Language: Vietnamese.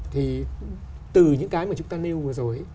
thì từ những cái mà chúng ta nêu vừa rồi